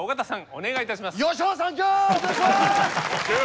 お願いします！